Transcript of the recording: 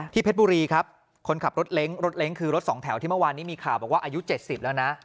เพชรบุรีครับคนขับรถเล้งรถเล้งคือรถสองแถวที่เมื่อวานนี้มีข่าวบอกว่าอายุ๗๐แล้วนะ